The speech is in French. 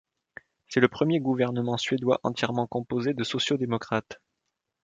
C'est le premier gouvernement suédois entièrement composé de sociaux-démocrates.